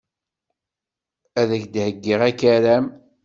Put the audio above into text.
Ad ak-d-heyyiɣ akaram.